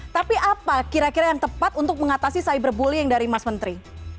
tapi apa kira kira yang tepat untuk mengatasi cyberbullying dari mas menteri